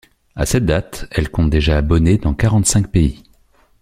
À cette date, elle compte déjà abonnés dans quarante-cinq pays.